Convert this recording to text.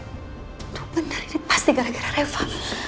itu benar ini pasti gara gara reva